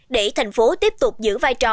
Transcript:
để thành phố tiếp tục giữ vai trò